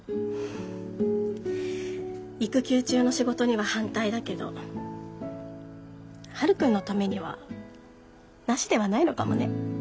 育休中の仕事には反対だけどはるくんのためにはなしではないのかもね。